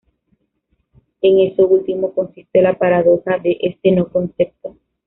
En eso último consiste la paradoja de este no-concepto.